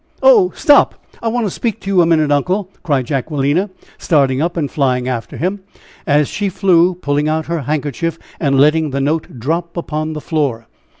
"Oh, stop, I want to speak to you a minute, uncle." cried Jacquelina, starting up and flying after him, and as she flew, pulling out her handkerchief and letting the note drop upon the floor.